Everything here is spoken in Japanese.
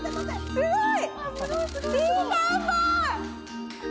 すごい！